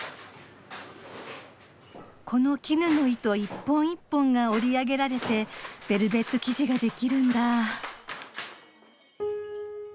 この絹の糸一本一本が織り上げられてベルベット生地ができるんだ。